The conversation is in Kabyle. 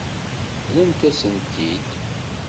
Rrant-asen-t-id.